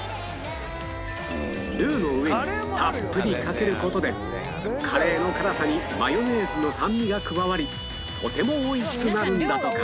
ルーの上にたっぷりかける事でカレーの辛さにマヨネーズの酸味が加わりとてもおいしくなるんだとか